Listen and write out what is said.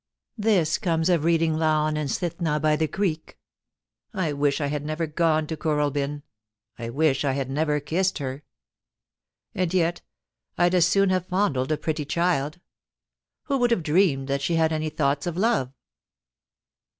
This comes of reading " Laon and Cythna " by the creek. ... I wish I had never gone to Kooralbyn. I wish I had never kissed her. And yet I'd as soon have fondled a pretty child. Who would have dreamed that she had any thoughts of love